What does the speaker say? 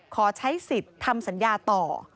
ขอใช้สิทธิ์ทำสัญญาต่อ